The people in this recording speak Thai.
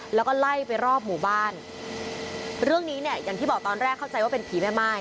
แล้วก็ไล่ไปรอบหมู่บ้านเรื่องนี้เนี่ยอย่างที่บอกตอนแรกเข้าใจว่าเป็นผีแม่ม่าย